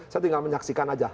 saya tinggal menyaksikan aja